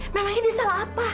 memang ini salah apa